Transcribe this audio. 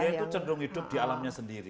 dia itu cenderung hidup di alamnya sendiri